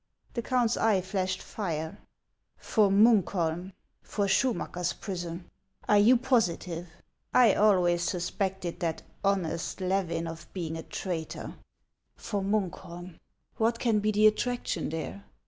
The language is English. The count's eye flashed fire. " For Munkholm ! For Schumacker's prison ! Are you positive ? I always suspected that honest Levin of being a traitor. For Munkholm ! What can be the attraction there